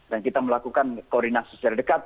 dan kita melakukan koordinasi secara dekat